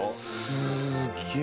すげえ。